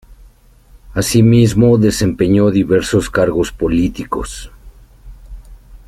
Asimismo desempeñó diversos cargos políticos.